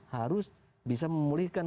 harus bisa memulihkan kembali kepercayaan